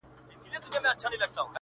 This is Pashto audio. زما سترګو کې هغسې یو غنې غنې خوب دے